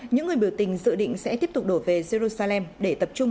những người biểu tình dự định sẽ tiếp tục đổ về jerusalem để tập trung